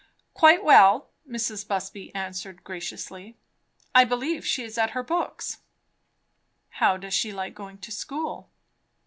"Quite well," Mrs. Busby answered graciously. "I believe she is at her books." "How does she like going to school?"